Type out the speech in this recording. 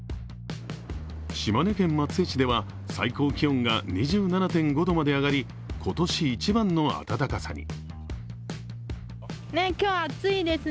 島根県松江市では最高気温が２７．５度まで上がり今年一番の暖かさに。